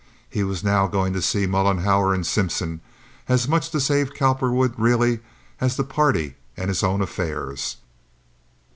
He was now going to see Mollenhauer and Simpson as much to save Cowperwood really as the party and his own affairs.